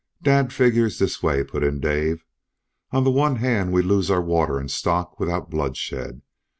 "Dad figures this way," put in Dave. "On the one hand we lose our water and stock without bloodshed.